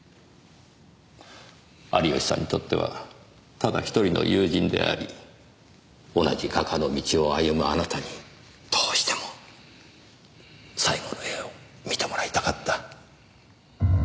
有吉さんにとってはただひとりの友人であり同じ画家の道を歩むあなたにどうしても最後の絵を見てもらいたかった。